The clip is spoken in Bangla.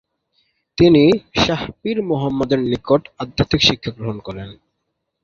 তিনি শাহ পীর মোহাম্মদের নিকট আধ্যাত্মিক শিক্ষা গ্রহণ করেন।